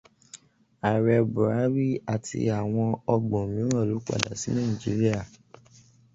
Ààrẹ Bùhárí àti àwọn ọgbọ̀n mìíràn ló padà sí Nàìjíríà.